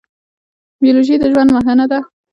بیولوژي د ژوند پوهنه ده